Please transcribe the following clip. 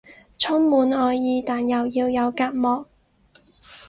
充滿愛意但又要有隔膜